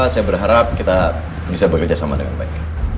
saya berharap kita bisa bekerja sama dengan baik